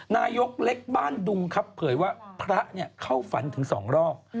นายกเล็กบ้านดุงครับเผยว่าพระเข้าฝันถึง๒รอบ